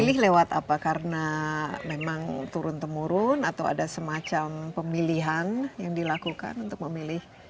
memilih lewat apa karena memang turun temurun atau ada semacam pemilihan yang dilakukan untuk memilih